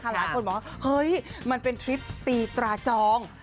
ผู้หมากบอกว่ามันเป็นทริปตีตราจอง